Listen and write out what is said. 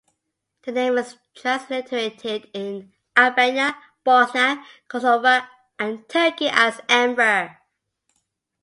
The name is transliterated in Albania, Bosnia, Kosovo, and Turkey as Enver.